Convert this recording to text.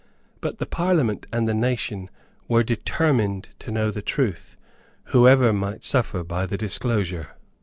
But the Parliament and the nation were determined to know the truth, whoever might suffer by the disclosure.